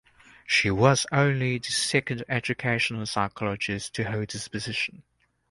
She was only the second educational psychologist to hold this position.